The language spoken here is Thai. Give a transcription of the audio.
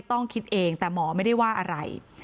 ต้องคิดเองแต่หมอไม่ได้ว่าอะไร